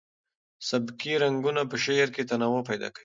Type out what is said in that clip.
سبکي رنګونه په شعر کې تنوع پیدا کوي.